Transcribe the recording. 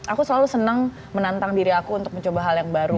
aku selalu senang menantang diri aku untuk mencoba hal yang baru